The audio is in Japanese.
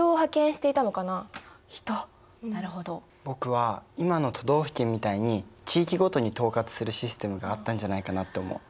僕は今の都道府県みたいに地域ごとに統括するシステムがあったんじゃないかなって思う。